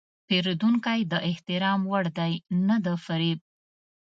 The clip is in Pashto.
پیرودونکی د احترام وړ دی، نه د فریب.